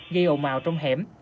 gây ồn màu trong hẻm